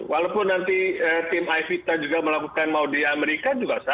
walaupun nanti tim aifita juga melakukan mau di amerika juga sama